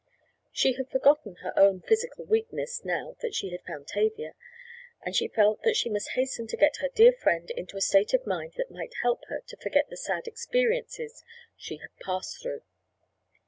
She had forgotten her own physical weakness now that she had found Tavia, and she felt that she must hasten to get her dear friend into a state of mind that might help her to forget the sad experiences she had passed through.